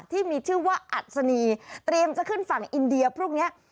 ที่มีชื่อว่าอัศนีเตรียมจะขึ้นฝั่งอินเดียพรุ่งนี้